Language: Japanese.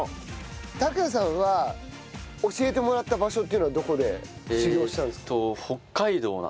拓也さんは教えてもらった場所っていうのはどこで修業したんですか？